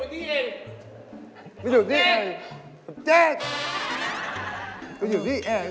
สวัสดีนะมีดาวอยู่นี่เอง